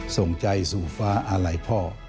ส่งใจสู่ฟ้าอาลัยพ่อ